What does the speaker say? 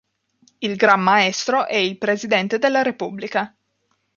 Il Gran Maestro è il Presidente della Repubblica.